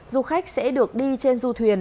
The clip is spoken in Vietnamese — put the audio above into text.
du khách sẽ được đi trên du thuyền